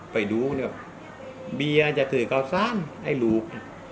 ไปดูว่าเบียร์จะถือเก่าสร้างให้ลูก